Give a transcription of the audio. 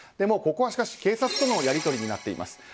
ここは警察とのやり取りになっています。